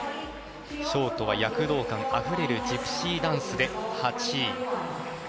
ショートは躍動感あふれる「ジプシー・ダンス」で８位。